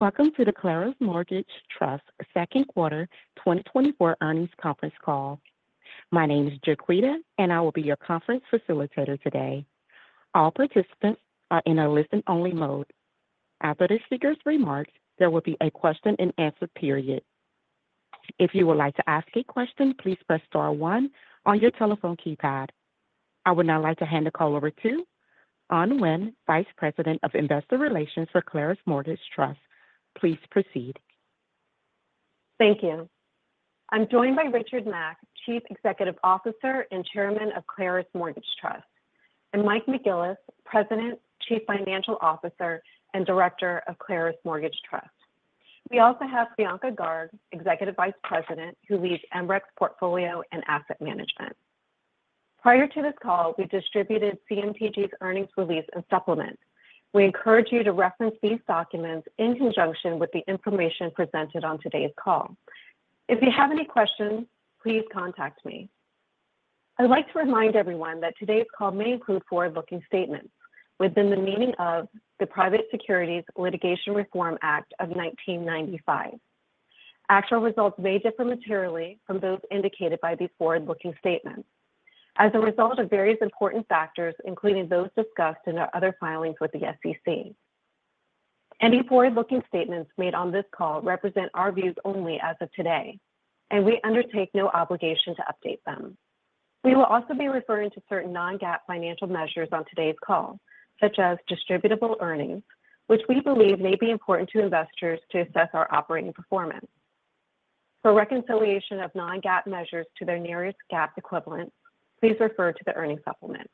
Welcome to the Claros Mortgage Trust Second Quarter 2024 earnings conference call. My name is Jaquita, and I will be your conference facilitator today. All participants are in a listen-only mode. After the speaker's remarks, there will be a question and answer period. If you would like to ask a question, please press star one on your telephone keypad. I would now like to hand the call over to Anh Huynh, Vice President of Investor Relations for Claros Mortgage Trust. Please proceed. Thank you. I'm joined by Richard Mack, Chief Executive Officer and Chairman of Claros Mortgage Trust, and Mike McGillis, President, Chief Financial Officer, and Director of Claros Mortgage Trust. We also have Priyanka Garg, Executive Vice President, who leads MRECS Portfolio and Asset Management. Prior to this call, we distributed CMTG's earnings release and supplement. We encourage you to reference these documents in conjunction with the information presented on today's call. If you have any questions, please contact me. I'd like to remind everyone that today's call may include forward-looking statements within the meaning of the Private Securities Litigation Reform Act of 1995. Actual results may differ materially from those indicated by these forward-looking statements as a result of various important factors, including those discussed in our other filings with the SEC. Any forward-looking statements made on this call represent our views only as of today, and we undertake no obligation to update them. We will also be referring to certain non-GAAP financial measures on today's call, such as distributable earnings, which we believe may be important to investors to assess our operating performance. For reconciliation of non-GAAP measures to their nearest GAAP equivalent, please refer to the earnings supplement.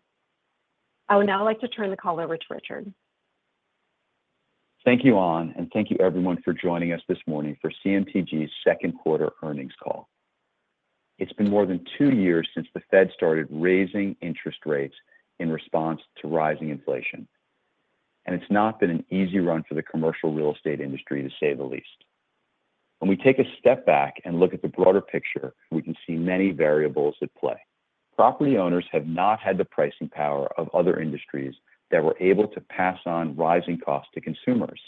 I would now like to turn the call over to Richard. Thank you, Anh, and thank you everyone for joining us this morning for CMTG's second quarter earnings call. It's been more than two years since the Fed started raising interest rates in response to rising inflation, and it's not been an easy run for the commercial real estate industry, to say the least. When we take a step back and look at the broader picture, we can see many variables at play. Property owners have not had the pricing power of other industries that were able to pass on rising costs to consumers.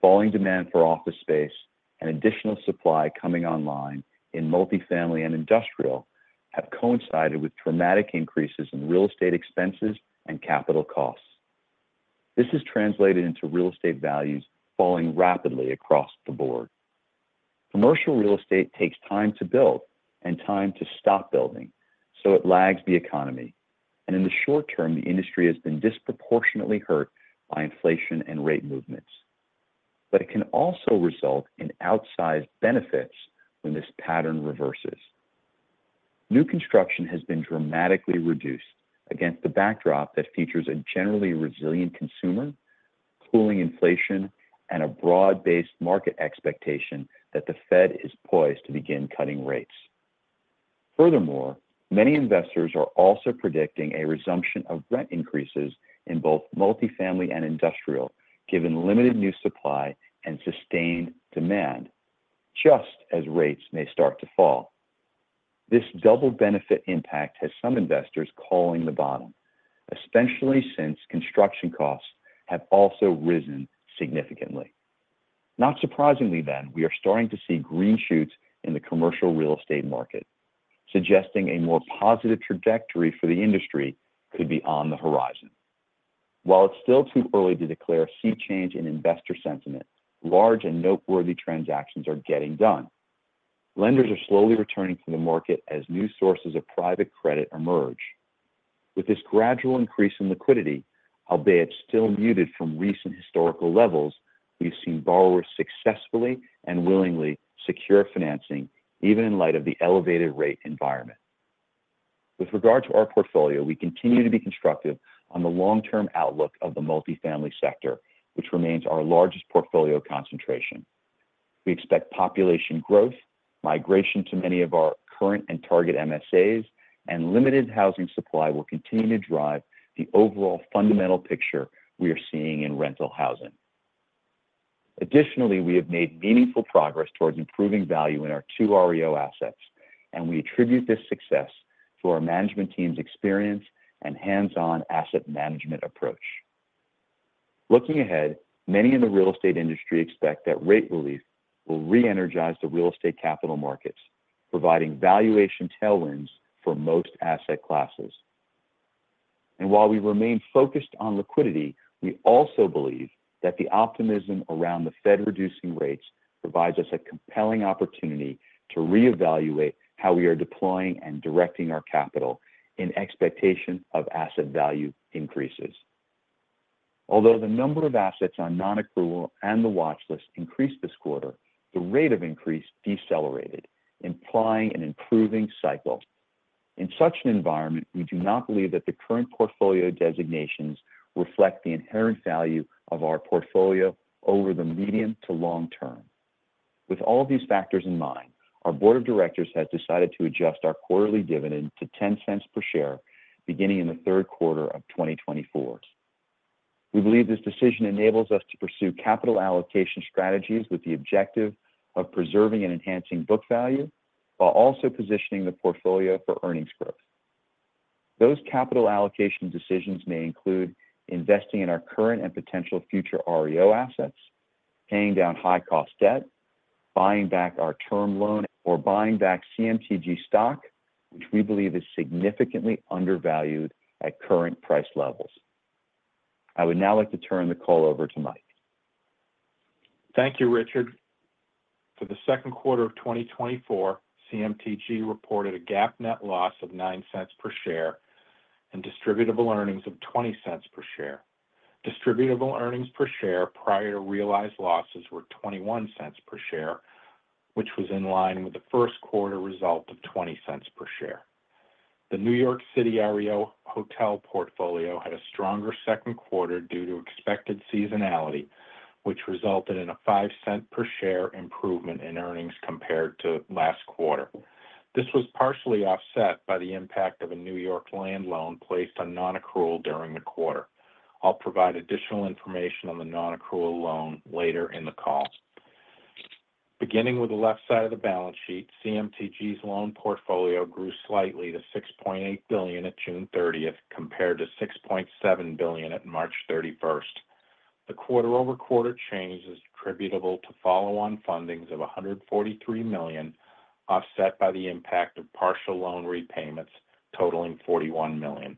Falling demand for office space and additional supply coming online in multifamily and industrial have coincided with dramatic increases in real estate expenses and capital costs. This has translated into real estate values falling rapidly across the board. Commercial real estate takes time to build and time to stop building, so it lags the economy. In the short term, the industry has been disproportionately hurt by inflation and rate movements. It can also result in outsized benefits when this pattern reverses. New construction has been dramatically reduced against the backdrop that features a generally resilient consumer, cooling inflation, and a broad-based market expectation that the Fed is poised to begin cutting rates. Furthermore, many investors are also predicting a resumption of rent increases in both multifamily and industrial, given limited new supply and sustained demand, just as rates may start to fall. This double benefit impact has some investors calling the bottom, especially since construction costs have also risen significantly. Not surprisingly, then, we are starting to see green shoots in the commercial real estate market, suggesting a more positive trajectory for the industry could be on the horizon. While it's still too early to declare a sea change in investor sentiment, large and noteworthy transactions are getting done. Lenders are slowly returning to the market as new sources of private credit emerge. With this gradual increase in liquidity, albeit still muted from recent historical levels, we've seen borrowers successfully and willingly secure financing, even in light of the elevated rate environment. With regard to our portfolio, we continue to be constructive on the long-term outlook of the multifamily sector, which remains our largest portfolio concentration. We expect population growth, migration to many of our current and target MSAs, and limited housing supply will continue to drive the overall fundamental picture we are seeing in rental housing. Additionally, we have made meaningful progress towards improving value in our two REO assets, and we attribute this success to our management team's experience and hands-on asset management approach. Looking ahead, many in the real estate industry expect that rate relief will re-energize the real estate capital markets, providing valuation tailwinds for most asset classes. While we remain focused on liquidity, we also believe that the optimism around the Fed reducing rates provides us a compelling opportunity to reevaluate how we are deploying and directing our capital in expectation of asset value increases. Although the number of assets on non-accrual and the watch list increased this quarter, the rate of increase decelerated, implying an improving cycle. In such an environment, we do not believe that the current portfolio designations reflect the inherent value of our portfolio over the medium to long term. With all of these factors in mind, our board of directors has decided to adjust our quarterly dividend to $0.10 per share, beginning in the third quarter of 2024. We believe this decision enables us to pursue capital allocation strategies with the objective of preserving and enhancing book value, while also positioning the portfolio for earnings growth. Those capital allocation decisions may include investing in our current and potential future REO assets, paying down high-cost debt, buying back our term loan, or buying back CMTG stock, which we believe is significantly undervalued at current price levels. I would now like to turn the call over to Mike. Thank you, Richard. For the second quarter of 2024, CMTG reported a GAAP net loss of $0.09 per share and distributable earnings of $0.20 per share. Distributable earnings per share prior to realized losses were $0.21 per share, which was in line with the first quarter result of $0.20 per share. The New York City REO hotel portfolio had a stronger second quarter due to expected seasonality, which resulted in a $0.05 per share improvement in earnings compared to last quarter. This was partially offset by the impact of a New York land loan placed on non-accrual during the quarter. I'll provide additional information on the non-accrual loan later in the call. Beginning with the left side of the balance sheet, CMTG's loan portfolio grew slightly to $6.8 billion at June 30th, compared to $6.7 billion at March 31st. The quarter-over-quarter change is attributable to follow-on fundings of $143 million, offset by the impact of partial loan repayments, totaling $41 million.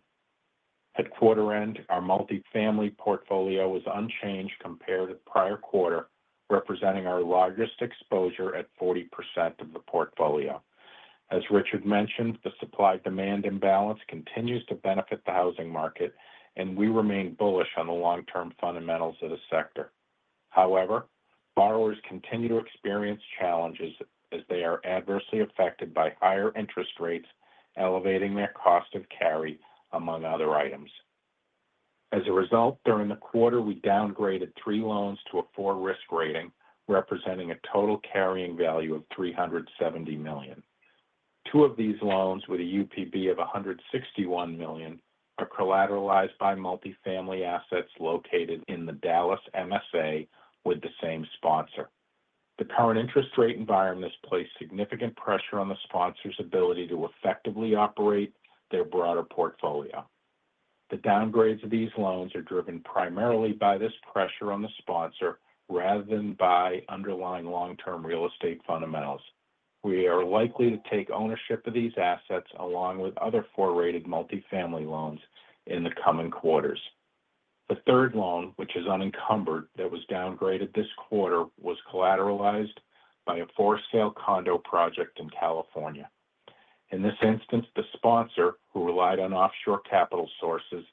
At quarter end, our multifamily portfolio was unchanged compared to the prior quarter, representing our largest exposure at 40% of the portfolio. As Richard mentioned, the supply-demand imbalance continues to benefit the housing market, and we remain bullish on the long-term fundamentals of the sector. However, borrowers continue to experience challenges as they are adversely affected by higher interest rates, elevating their cost of carry, among other items. As a result, during the quarter, we downgraded three loans to a four risk rating, representing a total carrying value of $370 million. Two of these loans, with a UPB of $161 million, are collateralized by multifamily assets located in the Dallas MSA with the same sponsor. The current interest rate environment has placed significant pressure on the sponsor's ability to effectively operate their broader portfolio. The downgrades of these loans are driven primarily by this pressure on the sponsor rather than by underlying long-term real estate fundamentals. We are likely to take ownership of these assets, along with other four-rated multifamily loans, in the coming quarters. The third loan, which is unencumbered, that was downgraded this quarter, was collateralized by a for-sale condo project in California. In this instance, the sponsor, who relied on offshore capital sources,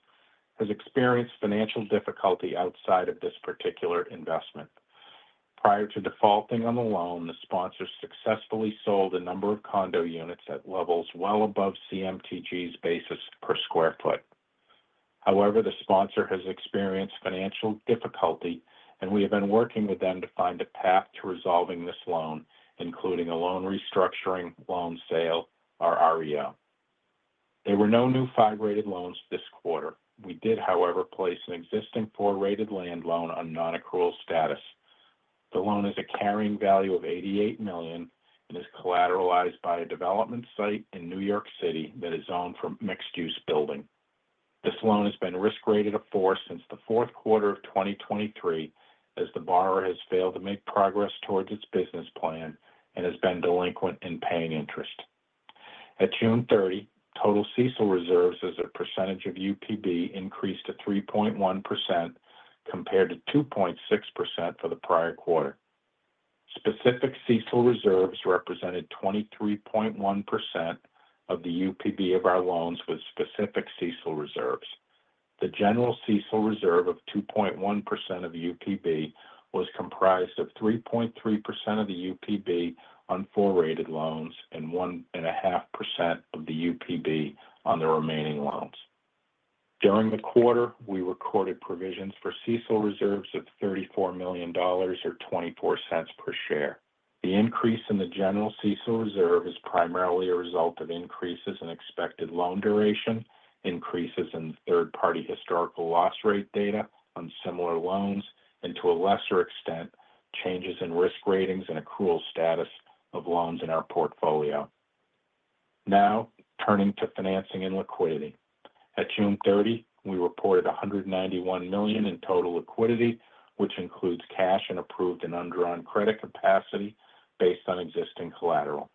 has experienced financial difficulty outside of this particular investment. Prior to defaulting on the loan, the sponsor successfully sold a number of condo units at levels well above CMTG's basis per square foot. However, the sponsor has experienced financial difficulty, and we have been working with them to find a path to resolving this loan, including a loan restructuring, loan sale, or REO. There were no new five-rated loans this quarter. We did, however, place an existing four-rated land loan on non-accrual status. The loan has a carrying value of $88 million and is collateralized by a development site in New York City that is zoned for mixed-use building. This loan has been risk-rated a four since the fourth quarter of 2023, as the borrower has failed to make progress towards its business plan and has been delinquent in paying interest. At June 30th, total CECL reserves as a percentage of UPB increased to 3.1%, compared to 2.6% for the prior quarter. Specific CECL reserves represented 23.1% of the UPB of our loans, with specific CECL reserves. The general CECL reserve of 2.1% of the UPB was comprised of 3.3% of the UPB on 4-rated loans and 1.5% of the UPB on the remaining loans. During the quarter, we recorded provisions for CECL reserves of $34 million or $0.24 per share. The increase in the general CECL reserve is primarily a result of increases in expected loan duration, increases in third-party historical loss rate data on similar loans, and to a lesser extent, changes in risk ratings and accrual status of loans in our portfolio. Now, turning to financing and liquidity. At June 30th, we reported $191 million in total liquidity, which includes cash and approved and undrawn credit capacity based on existing collateral.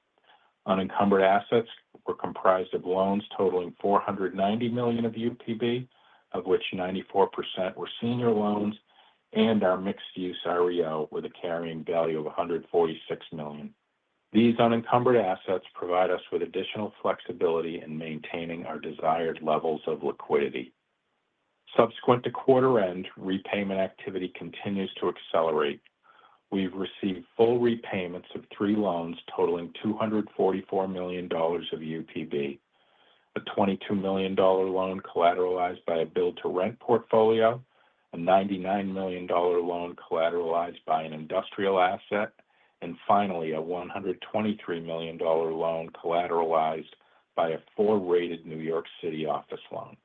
Unencumbered assets were comprised of loans totaling $490 million of UPB, of which 94% were senior loans, and our mixed-use REO, with a carrying value of $146 million. These unencumbered assets provide us with additional flexibility in maintaining our desired levels of liquidity. Subsequent to quarter end, repayment activity continues to accelerate. We've received full repayments of three loans totaling $244 million of UPB: a $22 million loan collateralized by a build-to-rent portfolio, a $99 million loan collateralized by an industrial asset, and finally, a $123 million loan collateralized by a 4-rated New York City office loan.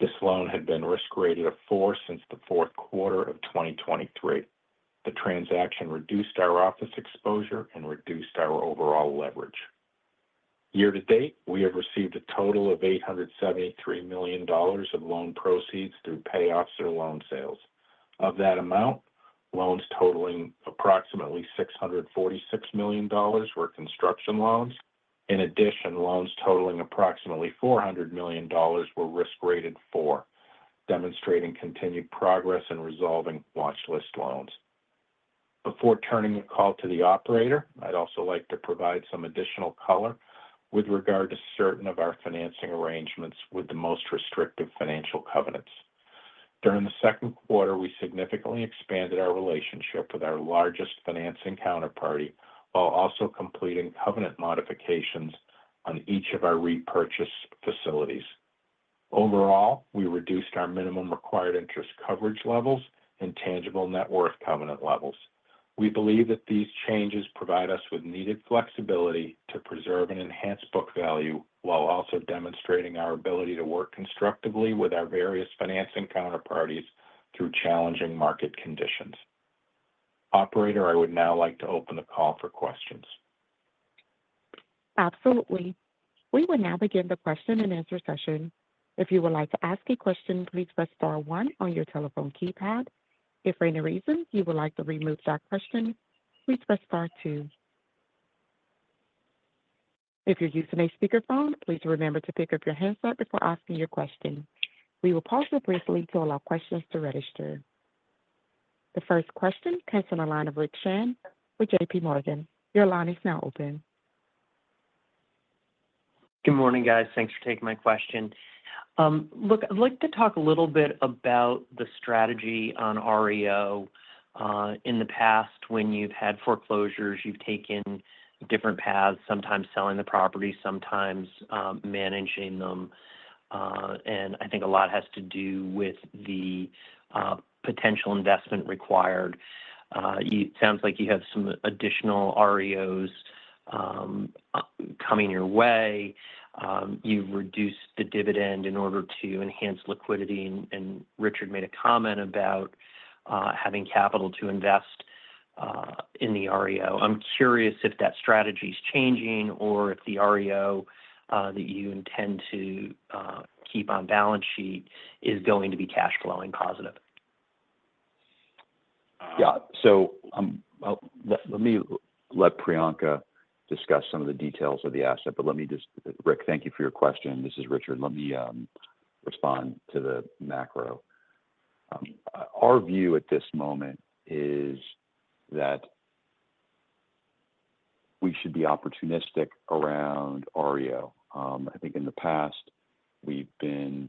This loan had been risk-rated a four since the fourth quarter of 2023. The transaction reduced our office exposure and reduced our overall leverage. Year to date, we have received a total of $873 million of loan proceeds through payoffs or loan sales. Of that amount, loans totaling approximately $646 million were construction loans. In addition, loans totaling approximately $400 million were risk-rated four, demonstrating continued progress in resolving watchlist loans. Before turning the call to the operator, I'd also like to provide some additional color with regard to certain of our financing arrangements with the most restrictive financial covenants. During the second quarter, we significantly expanded our relationship with our largest financing counterparty, while also completing covenant modifications on each of our repurchase facilities. Overall, we reduced our minimum required interest coverage levels and tangible net worth covenant levels. We believe that these changes provide us with needed flexibility to preserve and enhance book value, while also demonstrating our ability to work constructively with our various financing counterparties through challenging market conditions. Operator, I would now like to open the call for questions. Absolutely. We will now begin the question-and-answer session. If you would like to ask a question, please press star one on your telephone keypad. If for any reason you would like to remove that question, please press star two. If you're using a speakerphone, please remember to pick up your handset before asking your question. We will pause briefly to allow questions to register. The first question comes on the line of Rick Shane with J.P. Morgan. Your line is now open. Good morning, guys. Thanks for taking my question. Look, I'd like to talk a little bit about the strategy on REO. In the past, when you've had foreclosures, you've taken different paths, sometimes selling the property, sometimes managing them, and I think a lot has to do with the potential investment required. It sounds like you have some additional REOs coming your way. You've reduced the dividend in order to enhance liquidity, and Richard made a comment about having capital to invest in the REO. I'm curious if that strategy is changing, or if the REO that you intend to keep on balance sheet is going to be cash flowing positive? Yeah. So, well, let me let Priyanka discuss some of the details of the asset, but let me just, Rick, thank you for your question. This is Richard. Let me respond to the macro. Our view at this moment is that we should be opportunistic around REO. I think in the past, we've been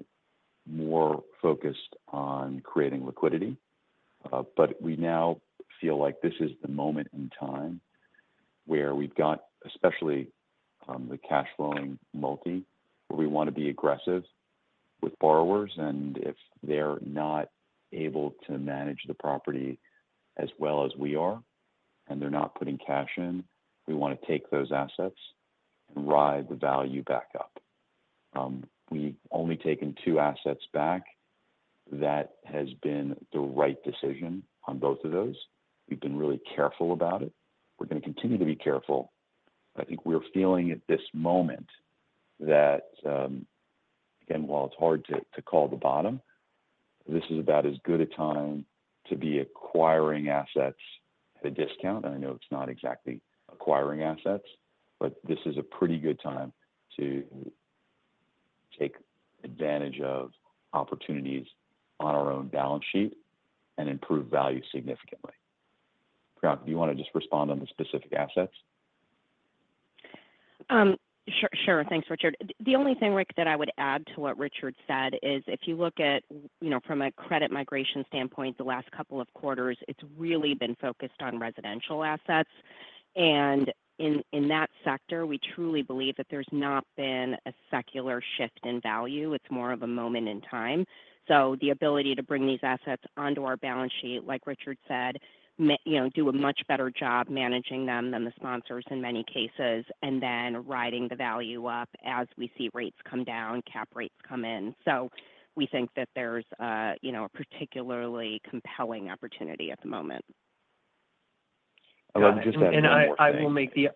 more focused on creating liquidity, but we now feel like this is the moment in time where we've got, especially, the cash flowing multi, where we want to be aggressive with borrowers, and if they're not able to manage the property as well as we are, and they're not putting cash in, we want to take those assets and ride the value back up. We've only taken two assets back. That has been the right decision on both of those. We've been really careful about it. We're going to continue to be careful. I think we're feeling at this moment that, again, while it's hard to call the bottom, this is about as good a time to be acquiring assets at a discount. I know it's not exactly acquiring assets, but this is a pretty good time to take advantage of opportunities on our own balance sheet and improve value significantly. Priyanka, do you want to just respond on the specific assets? Sure, sure. Thanks, Richard. The only thing, Rick, that I would add to what Richard said is, if you look at, you know, from a credit migration standpoint, the last couple of quarters, it's really been focused on residential assets. And in that sector, we truly believe that there's not been a secular shift in value. It's more of a moment in time. So the ability to bring these assets onto our balance sheet, like Richard said, you know, do a much better job managing them than the sponsors in many cases, and then riding the value up as we see rates come down, cap rates come in. So we think that there's a, you know, a particularly compelling opportunity at the moment. I would just add one more thing. And I, I will make the...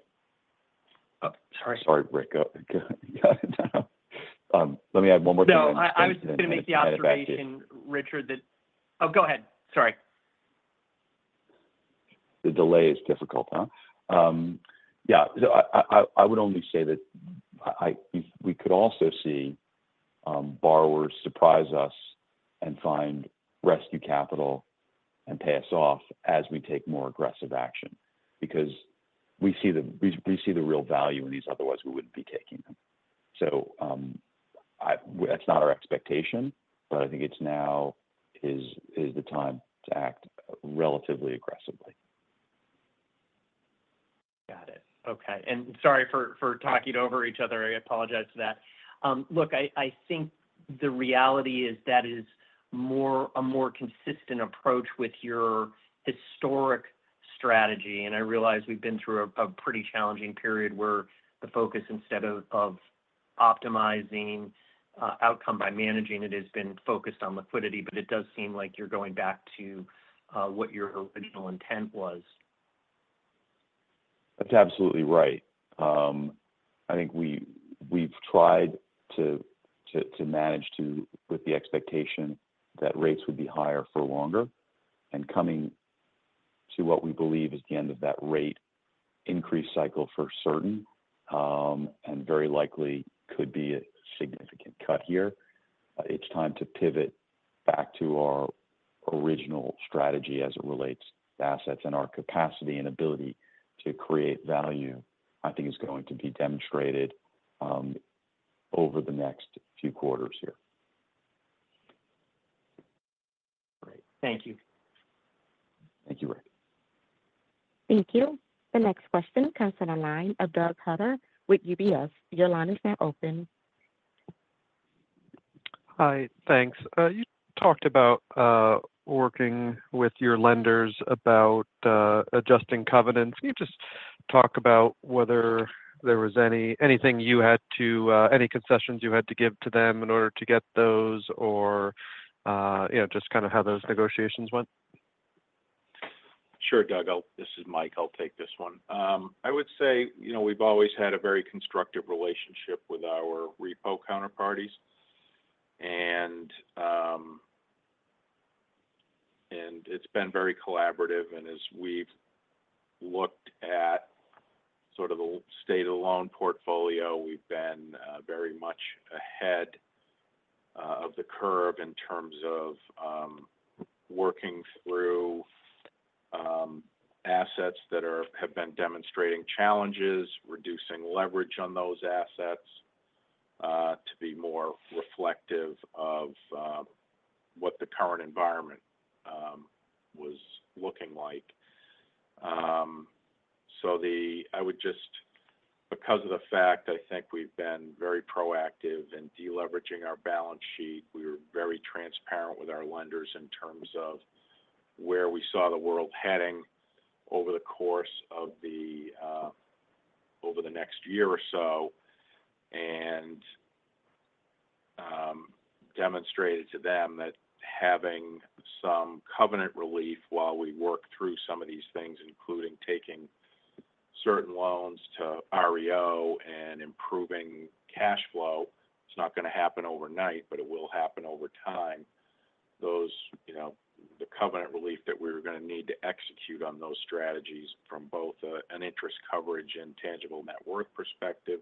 Sorry. Sorry, Rick. Let me add one more thing. No, I, I was just going to make the observation, Richard, that- Oh, go ahead, sorry. The delay is difficult, huh? Yeah, so I would only say that we could also see borrowers surprise us and find rescue capital and pay us off as we take more aggressive action, because we see the real value in these, otherwise we wouldn't be taking them. So, that's not our expectation, but I think it's now the time to act relatively aggressively. Got it. Okay. And sorry for talking over each other. I apologize for that. Look, I think the reality is that is a more consistent approach with your historic strategy, and I realize we've been through a pretty challenging period where the focus, instead of optimizing outcome by managing it, has been focused on liquidity. But it does seem like you're going back to what your original intent was. That's absolutely right. I think we've tried to manage to, with the expectation that rates would be higher for longer, and coming to what we believe is the end of that rate increase cycle for certain, and very likely could be a significant cut here. It's time to pivot back to our original strategy as it relates to assets. Our capacity and ability to create value, I think is going to be demonstrated over the next few quarters here. Great. Thank you. Thank you, Rick. Thank you. The next question comes from the line of Doug Harter with UBS. Your line is now open. Hi, thanks. You talked about working with your lenders about adjusting covenants. Can you just talk about whether there was anything you had to—any concessions you had to give to them in order to get those or, you know, just kind of how those negotiations went? Sure, Doug. This is Mike, I'll take this one. I would say, you know, we've always had a very constructive relationship with our repo counterparties. And, and it's been very collaborative, and as we've looked at sort of the state of the loan portfolio, we've been very much ahead of the curve in terms of working through assets that have been demonstrating challenges, reducing leverage on those assets to be more reflective of what the current environment was looking like. So, because of the fact, I think we've been very proactive in deleveraging our balance sheet, we were very transparent with our lenders in terms of where we saw the world heading over the course of the over the next year or so. And, demonstrated to them that having some covenant relief while we work through some of these things, including taking certain loans to REO and improving cash flow, it's not gonna happen overnight, but it will happen over time. Those, you know, the covenant relief that we were gonna need to execute on those strategies from both, an interest coverage and tangible net worth perspective,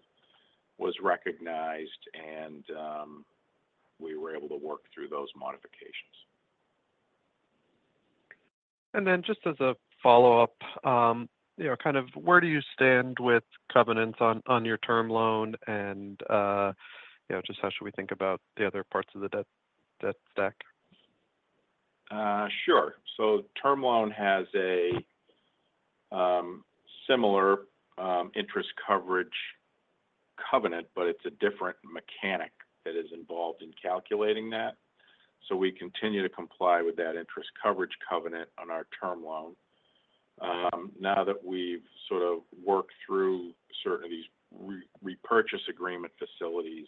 was recognized, and, we were able to work through those modifications. And then just as a follow-up, you know, kind of where do you stand with covenants on your term loan? And, you know, just how should we think about the other parts of the debt stack? Sure. So term loan has a similar interest coverage covenant, but it's a different mechanic that is involved in calculating that. So we continue to comply with that interest coverage covenant on our term loan. Now that we've sort of worked through certain of these repurchase agreement facilities,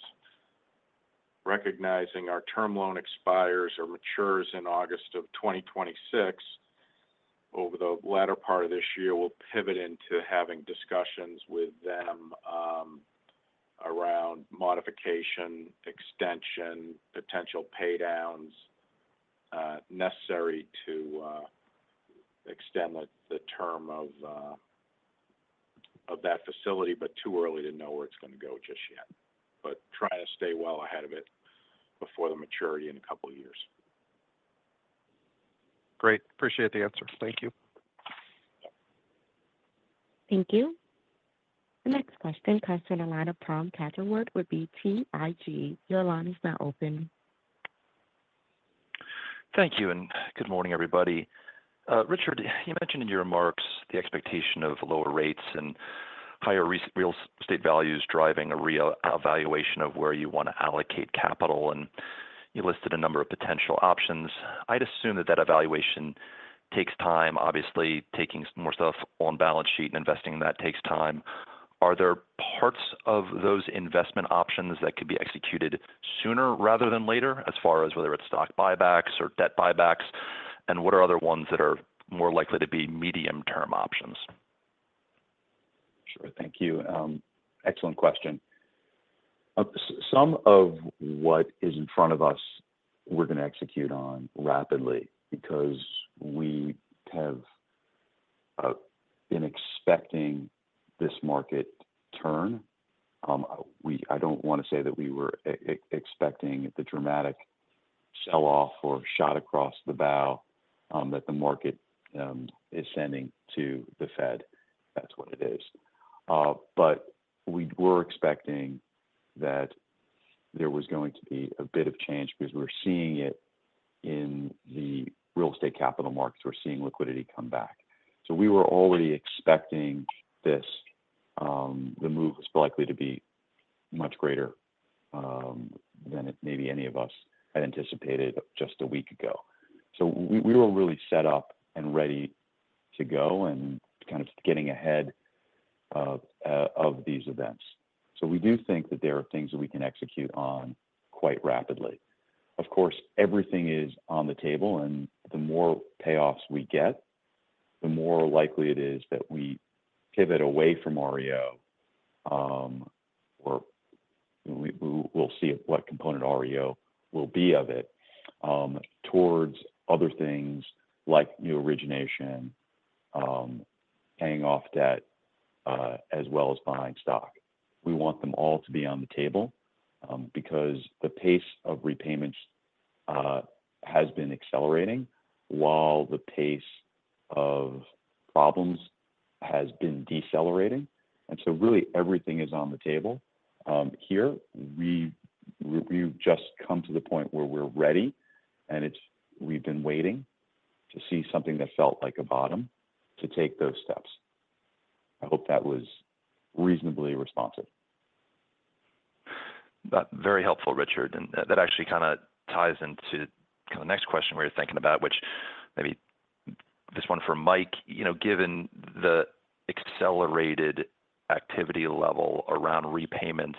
recognizing our term loan expires or matures in August 2026, over the latter part of this year, we'll pivot into having discussions with them around modification, extension, potential paydowns necessary to extend the term of that facility, but too early to know where it's gonna go just yet. But try to stay well ahead of it before the maturity in a couple of years. Great. Appreciate the answer. Thank you. Thank you. The next question comes from the line of Tom Catherwood with BTIG. Your line is now open. Thank you, and good morning, everybody. Richard, you mentioned in your remarks the expectation of lower rates and higher real estate values driving a re-evaluation of where you want to allocate capital, and you listed a number of potential options. I'd assume that that evaluation takes time. Obviously, taking more stuff on balance sheet and investing, that takes time. Are there parts of those investment options that could be executed sooner rather than later, as far as whether it's stock buybacks or debt buybacks? And what are other ones that are more likely to be medium-term options? Sure. Thank you. Excellent question. Some of what is in front of us, we're going to execute on rapidly because we have been expecting this market turn. I don't want to say that we were expecting the dramatic sell-off or shot across the bow that the market is sending to the Fed. That's what it is. But we were expecting that there was going to be a bit of change because we're seeing it in the real estate capital markets. We're seeing liquidity come back. So we were already expecting this. The move is likely to be much greater than maybe any of us had anticipated just a week ago. So we were really set up and ready to go, and kind of getting ahead of these events. So we do think that there are things that we can execute on quite rapidly. Of course, everything is on the table, and the more payoffs we get, the more likely it is that we pivot away from REO, or we'll see what component REO will be of it, towards other things like new origination, paying off debt, as well as buying stock. We want them all to be on the table, because the pace of repayments has been accelerating while the pace of problems has been decelerating. And so really everything is on the table. Here, we've just come to the point where we're ready, and it's. We've been waiting to see something that felt like a bottom to take those steps. I hope that was reasonably responsive. Very helpful, Richard. And that actually kind of ties into kind of the next question we were thinking about, which maybe this one for Mike. You know, given the accelerated activity level around repayments,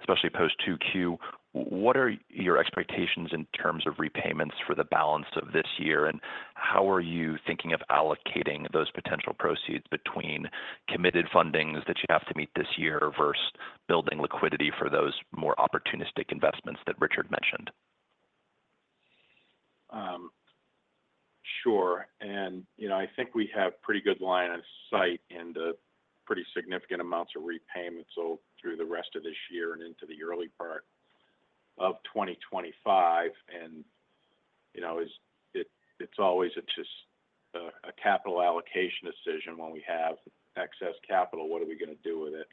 especially post 2Q, what are your expectations in terms of repayments for the balance of this year? And how are you thinking of allocating those potential proceeds between committed fundings that you have to meet this year versus building liquidity for those more opportunistic investments that Richard mentioned? Sure. And, you know, I think we have pretty good line of sight and pretty significant amounts of repayments all through the rest of this year and into the early part of 2025. And, you know, it's always just a capital allocation decision. When we have excess capital, what are we going to do with it?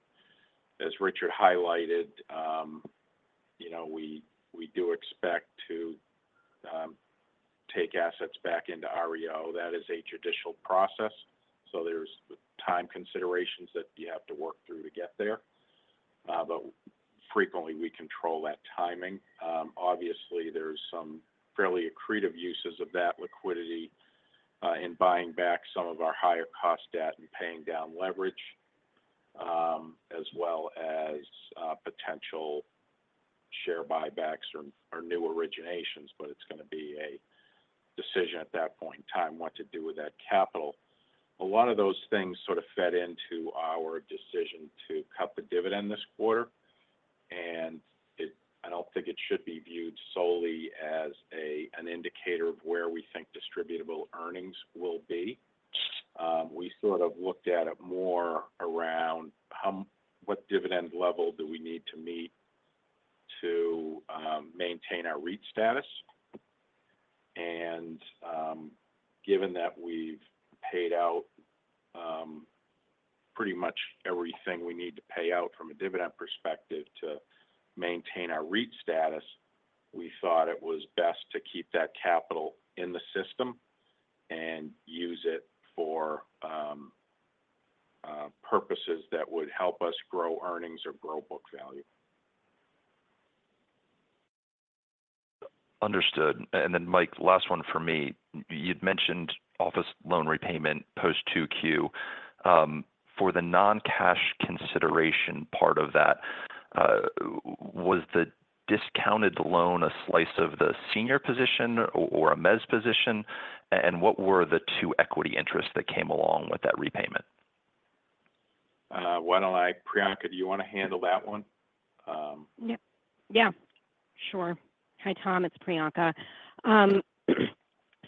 As Richard highlighted, you know, we do expect to take assets back into REO. That is a judicial process, so there's the time considerations that you have to work through to get there. But frequently, we control that timing. Obviously, there's some fairly accretive uses of that liquidity, in buying back some of our higher cost debt and paying down leverage, as well as, potential share buybacks or, or new originations, but it's going to be a decision at that point in time, what to do with that capital. A lot of those things sort of fed into our decision to cut the dividend this quarter, and it—I don't think it should be viewed solely as a, an indicator of where we think Distributable Earnings will be. We sort of looked at it more around how—what dividend level do we need to meet to, maintain our REIT status. Given that we've paid out pretty much everything we need to pay out from a dividend perspective to maintain our REIT status, we thought it was best to keep that capital in the system and use it for purposes that would help us grow earnings or grow book value. Understood. And then, Mike, last one for me. You'd mentioned office loan repayment post 2Q. For the non-cash consideration part of that, was the discounted loan a slice of the senior position or a mezz position? And what were the 2 equity interests that came along with that repayment? Why don't I-- Priyanka, do you want to handle that one? Yep. Yeah, sure. Hi, Tom, it's Priyanka.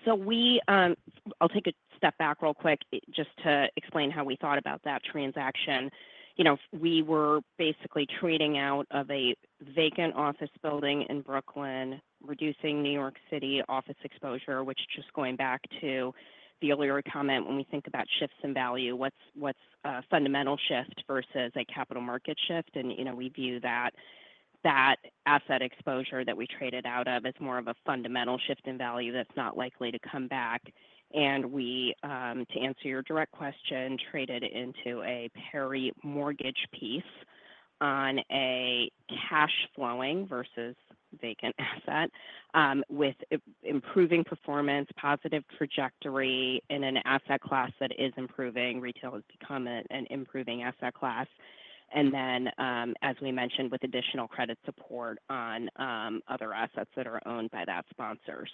So we, I'll take a step back real quick just to explain how we thought about that transaction. You know, we were basically trading out of a vacant office building in Brooklyn, reducing New York City office exposure, which just going back to the earlier comment, when we think about shifts in value, what's, what's a fundamental shift versus a capital market shift. And, you know, we view that, that asset exposure that we traded out of as more of a fundamental shift in value that's not likely to come back. And we, to answer your direct question, traded into a pari mortgage piece on a cash flowing versus vacant asset, with improving performance, positive trajectory in an asset class that is improving. Retail has become an improving asset class. Then, as we mentioned, with additional credit support on other assets that are owned by that sponsor.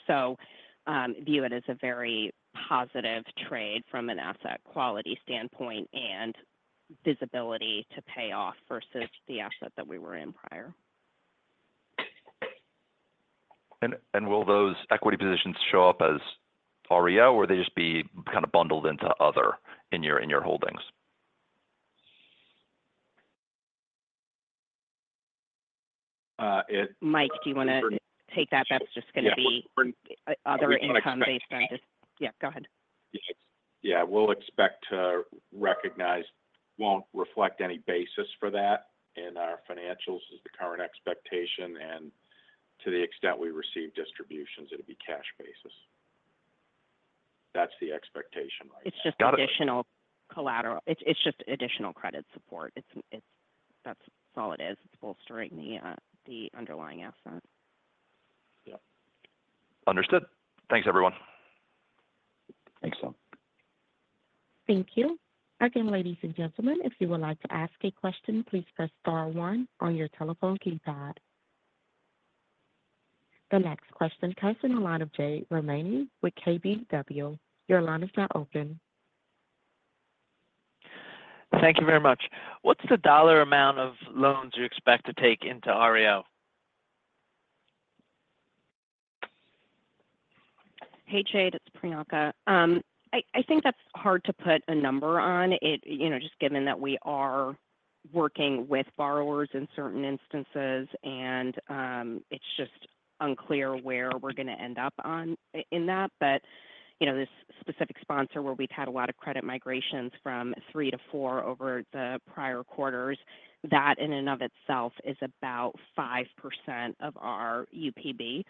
View it as a very positive trade from an asset quality standpoint and visibility to pay off versus the asset that we were in prior. And will those equity positions show up as REO, or will they just be kind of bundled into other in your holdings? Uh, it- Mike, do you want to take that? That's just going to be- Yeah, we- other income based on this. Yeah, go ahead. Yeah. We'll expect to recognize. Won't reflect any basis for that in our financials. Is the current expectation, and to the extent we receive distributions, it'll be cash basis. That's the expectation right now. It's just additional collateral. It, it's just additional credit support. It's, it's-- that's all it is. It's bolstering the, the underlying asset. Yeah. Understood. Thanks, everyone. Thanks, all. Thank you. Again, ladies and gentlemen, if you would like to ask a question, please press star one on your telephone keypad. The next question comes from the line of Jade Rahmani with KBW. Your line is now open. Thank you very much. What's the dollar amount of loans you expect to take into REO? Hey, Jade, it's Priyanka. I think that's hard to put a number on it, you know, just given that we are working with borrowers in certain instances, and it's just unclear where we're gonna end up on in that. But, you know, this specific sponsor, where we've had a lot of credit migrations from three to four over the prior quarters, that in and of itself is about 5% of our UPB.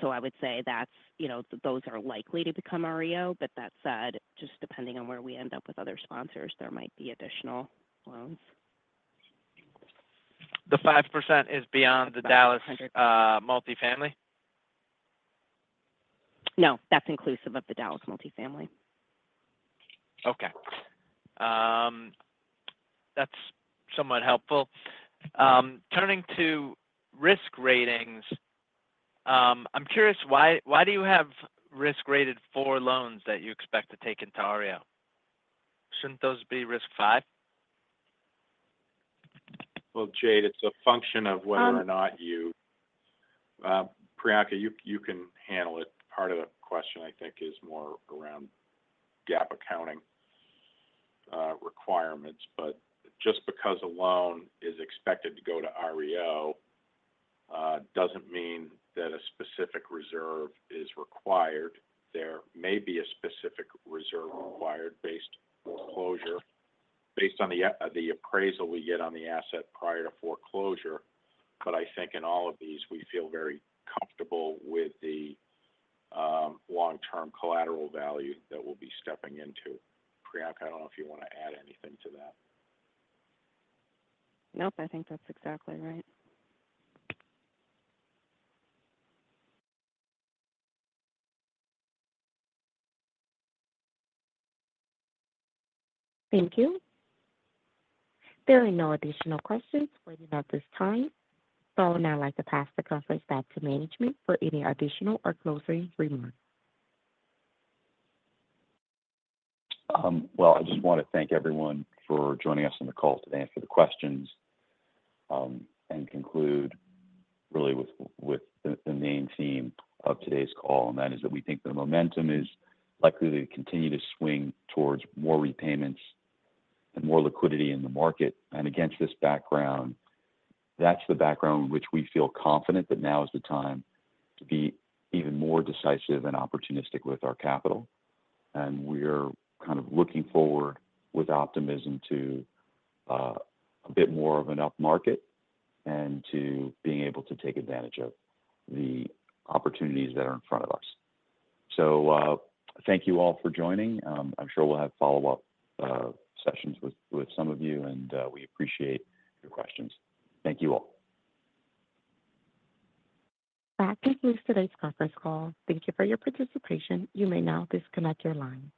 So I would say that's, you know, those are likely to become REO. But that said, just depending on where we end up with other sponsors, there might be additional loans. The 5% is beyond the Dallas multifamily? No, that's inclusive of the Dallas multifamily. Okay. That's somewhat helpful. Turning to risk ratings, I'm curious, why, why do you have risk rated 4 loans that you expect to take into REO? Shouldn't those be risk 5? Well, Jade, it's a function of whether or not you-- Priyanka, you, you can handle it. Part of the question, I think, is more around GAAP accounting requirements. But just because a loan is expected to go to REO doesn't mean that a specific reserve is required. There may be a specific reserve required based on foreclosure, based on the appraisal we get on the asset prior to foreclosure. But I think in all of these, we feel very comfortable with the long-term collateral value that we'll be stepping into. Priyanka, I don't know if you want to add anything to that. Nope, I think that's exactly right. Thank you. There are no additional questions waiting at this time. I would now like to pass the conference back to management for any additional or closing remarks. Well, I just want to thank everyone for joining us on the call today, answer the questions, and conclude really with the main theme of today's call, and that is that we think the momentum is likely to continue to swing towards more repayments and more liquidity in the market. And against this background, that's the background in which we feel confident that now is the time to be even more decisive and opportunistic with our capital. And we're kind of looking forward with optimism to a bit more of an upmarket and to being able to take advantage of the opportunities that are in front of us. So, thank you all for joining. I'm sure we'll have follow-up sessions with some of you, and we appreciate your questions. Thank you, all. That concludes today's conference call. Thank you for your participation. You may now disconnect your line.